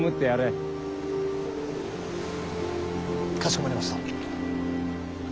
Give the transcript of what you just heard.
かしこまりました。